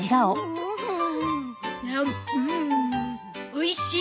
おいしい！